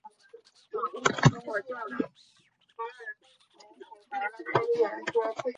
库克群岛体育与国家奥林匹克委员会是库克群岛的国家奥林匹克委员会。